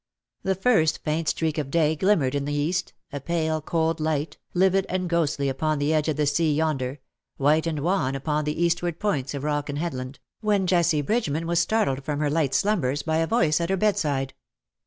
The first faint streak of day glimmered in the east, a pale cold light, livid and ghostly upon the edge of the sea yonder, white and wan upon the eastward points of rock and headland, when Jessie Bridgeman was startled from her light slumbers by a voice at her bedside.